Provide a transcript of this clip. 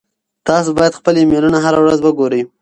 تاسو باید خپل ایمیلونه هره ورځ وګورئ.